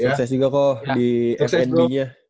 sukses juga ko di fnb nya